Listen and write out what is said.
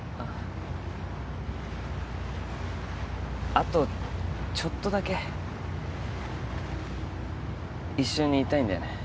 あとちょっとだけ一緒にいたいんだよね。